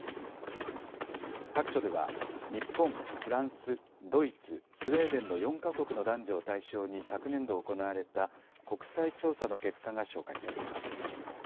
白書では日本、フランス、ドイツ、スウェーデンの４か国の男女を対象に昨年度行われた国際調査の結果が紹介されています。